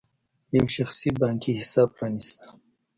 یو شخصي بانکي حساب پرانېسته.